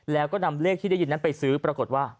แล้วก็นำเลขที่ได้ยินนั้นไปซื้อปรากฏว่า